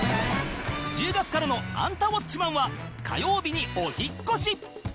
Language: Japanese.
１０月からの『アンタウォッチマン！』は火曜日にお引っ越し！